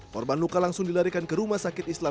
korban luka langsung dilarikan ke rumah sakit islam